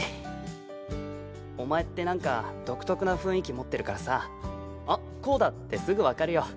お前って何か独特な雰囲気持ってるからさあっコウだってすぐ分かるよ。